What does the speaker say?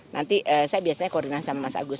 nanti saya biasanya koordinasi sama mas agus